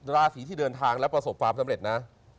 ราศีที่เดินทางแล้วประสบความสำเร็จนะ